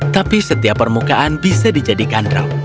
tapi setiap permukaan bisa dijadikan draw